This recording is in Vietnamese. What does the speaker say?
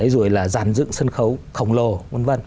rồi là giàn dựng sân khấu khổng lồ vân vân